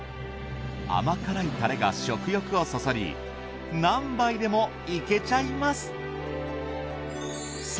甘辛いタレが食欲をそそり何杯でもいけちゃいます。